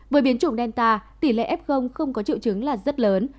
với biến chủng delta tỷ lệ f không có triệu chứng là rất lớn